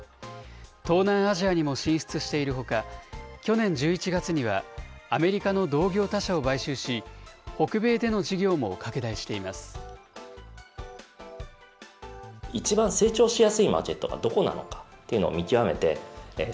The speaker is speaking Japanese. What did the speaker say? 東南アジアにも進出しているほか、去年１１月にはアメリカの同業他社を買収し、北米での事業も拡大しています。